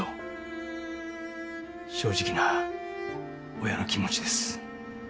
正直な親の気持ちです。